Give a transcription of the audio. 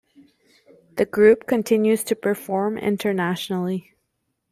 The group continues to perform internationally.